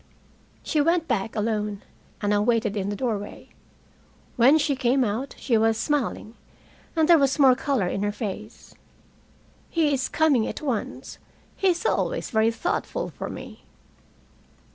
She went back alone, and I waited in the doorway. When she came out, she was smiling, and there was more color in her face. "He is coming at once. He is always very thoughtful for me."